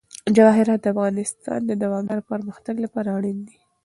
جواهرات د افغانستان د دوامداره پرمختګ لپاره اړین دي.